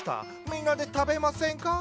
みんなで食べませんか？